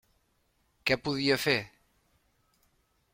Què podia fer?